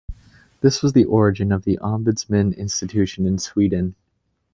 This was the origin of the ombudsman institution in Sweden.